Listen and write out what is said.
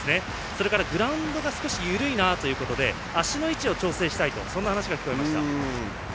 それからグラウンドが緩いということで足の位置を調整したいという声が聞こえました。